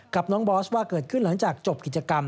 กับน้องบอสว่าเกิดขึ้นหลังจากจบกิจกรรม